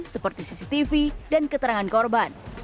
seperti cctv dan keterangan korban